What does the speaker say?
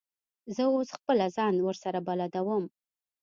زه اوس خپله ځان ورسره بلدوم.